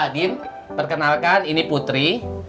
din perkenalkan ini putri